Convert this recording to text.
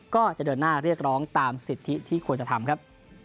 ก็จะเดินหน้าเรียกร้องตามสิทธิที่ควรจะทำครับ